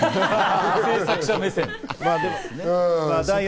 制作者目線。